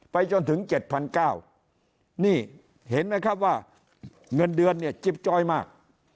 จนถึง๗๙๐๐นี่เห็นไหมครับว่าเงินเดือนเนี่ยจิ๊บจ้อยมาก